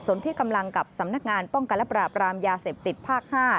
ส่วนที่กำลังกับสำนักงานป้องกันและปราบรามยาเสพติดภาค๕